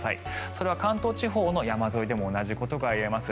それは関東地方の山沿いでも同じことが言えます。